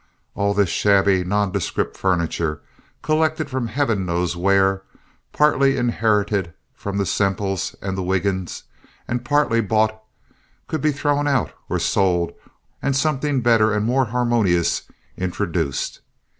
All this shabby, nondescript furniture, collected from heaven knows where—partly inherited from the Semples and the Wiggins and partly bought—could be thrown out or sold and something better and more harmonious introduced.